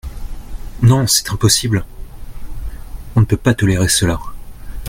Non, c’est impossible ! On ne peut pas tolérer cela.